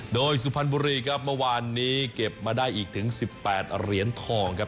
โดยสุพรรณบุรีครับเมื่อวานนี้เก็บมาได้อีกถึง๑๘เหรียญทองครับ